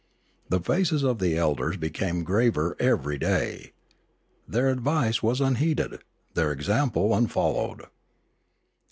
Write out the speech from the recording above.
The faces of the elders became graver every day; their advice was unheeded, their example unfollowed.